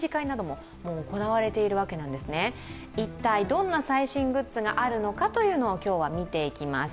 どんな最新グッズがあるのか、今日は見ていきます。